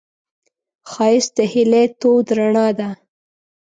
ښایست د هیلې تود رڼا ده